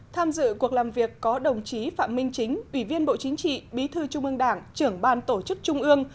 tham dự cuộc làm việc có đồng chí phạm minh chính ủy viên bộ chính trị bí thư trung ương đảng trưởng ban tổ chức trung ương